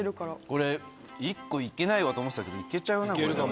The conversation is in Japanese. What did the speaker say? これ１個いけないわと思ってたけどいけちゃうなこれ。